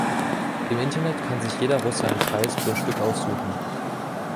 Im Internet kann sich jeder Russe ein freies Grundstück aussuchen.